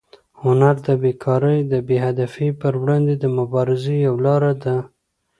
هنر د بېکارۍ او بې هدفۍ پر وړاندې د مبارزې یوه لاره ده.